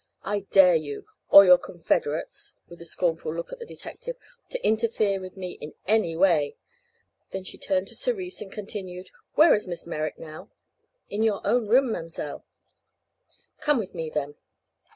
I dare you, or your confederates," with a scornful look at the detective, "to interfere with me in any way." Then she turned to Cerise and continued: "Where is Miss Merrick now?" "In your own room, ma'm'seile." "Come with me, then."